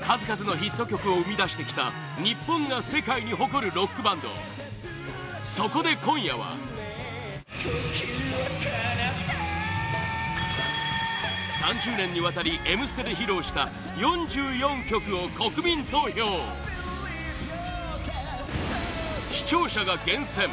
数々のヒット曲を生み出してきた日本が世界に誇るロックバンドそこで今夜は３０年にわたり「Ｍステ」で披露した４４曲を国民投票視聴者が厳選！